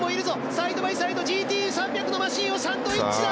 サイドバイサイドＧＴ３００のマシンをサンドイッチだ！